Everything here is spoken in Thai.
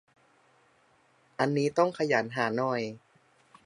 อันนี้ต้องขยันหาหน่อย